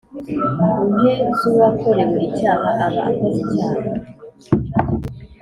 nke z uwakorewe icyaha aba akoze icyaha